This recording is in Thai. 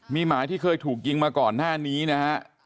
มีหมาที่เคยถูกยิงมาก่อนหน้านี้นะฮะ